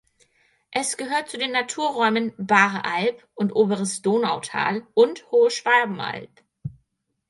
Es gehört zu den Naturräumen Baaralb und Oberes Donautal und Hohe Schwabenalb.